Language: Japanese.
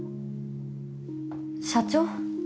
社長？